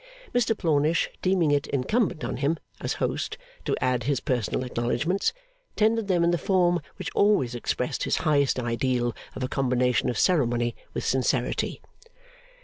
Mr Plornish deeming it incumbent on him, as host, to add his personal acknowledgments, tendered them in the form which always expressed his highest ideal of a combination of ceremony with sincerity.